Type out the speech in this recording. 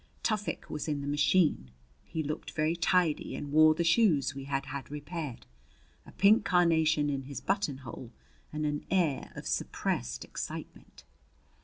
Tufik was in the machine. He looked very tidy and wore the shoes we had had repaired, a pink carnation in his buttonhole, and an air of suppressed excitement.